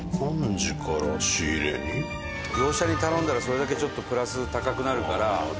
業者に頼んだらそれだけちょっとプラス高くなるから。